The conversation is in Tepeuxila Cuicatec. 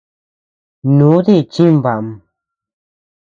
Ndudi chimbaʼam.